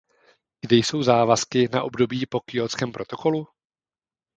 Kde jsou závazky na období po Kjótském protokolu?